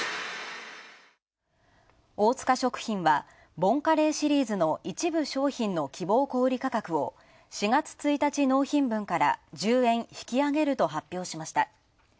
大塚食品は、ボンカレーシリーズの一部商品の希望小売価格を４月１日納品分から１０円引き上げると発表しました。